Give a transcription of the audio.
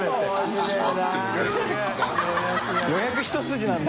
中島）予約一筋なんだ。